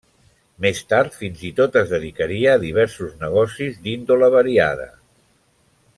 Més tard fins i tot es dedicaria a diversos negocis d'índole variada.